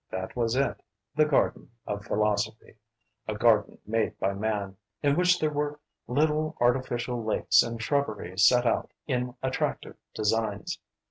That was it: the garden of philosophy, a garden made by man, in which there were little artificial lakes and shrubbery set out in attractive designs.